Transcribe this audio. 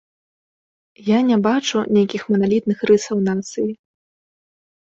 Я не бачу нейкіх маналітных рысаў нацыі.